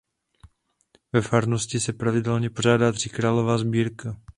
Ve farnosti se pravidelně pořádá tříkrálová sbírka.